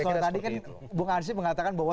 tadi kan bung anies mengatakan bahwa